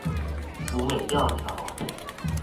福美吊橋